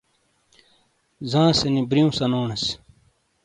زانسے نی بِریوں سنونیس۔